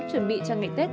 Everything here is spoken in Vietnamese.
chuẩn bị cho ngày tết